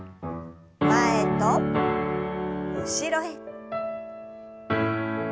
前と後ろへ。